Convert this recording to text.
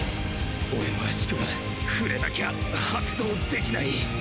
俺の圧縮は触れなきゃ発動できない。